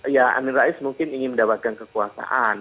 ya amin rais mungkin ingin mendapatkan kekuasaan